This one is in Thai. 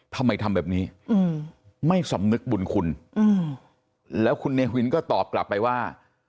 ทำไมทำแบบนี้ไม่สำนึกบุญคุณแล้วคุณเนวินก็ตอบกลับไปว่า